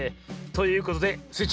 ということでスイ